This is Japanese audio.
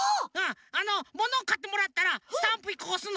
あのものをかってもらったらスタンプ１こおすの。